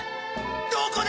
どこだ！